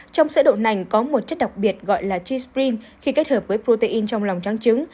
trong sữa đậu nành có một chất đặc biệt gọi là cheese cream khi kết hợp với protein trong lòng tráng trứng